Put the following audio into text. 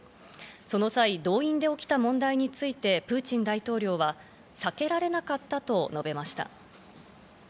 その際、動員で起きた問題についてプーチン大統領は避けられなかったと述べました。